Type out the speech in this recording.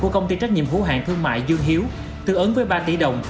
của công ty trách nhiệm hữu hạng thương mại dương hiếu tư ứng với ba tỷ đồng